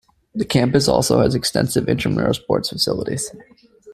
The campus also has extensive intramural sports facilities.